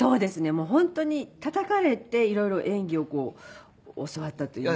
もう本当に叩かれていろいろ演技を教わったといいますか。